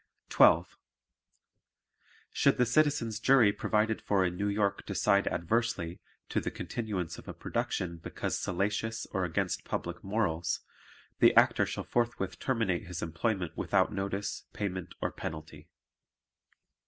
12. Should the Citizens' Jury provided for in New York decide adversely, to the continuance of a production because salacious or against public morals the Actor shall forthwith terminate his employment without notice, payment or penalty.